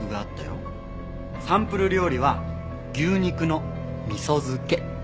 サンプル料理は牛肉の味噌漬け。